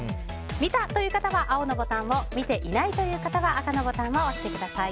見たという方は青のボタンを見てないという方は赤のボタンを押してください。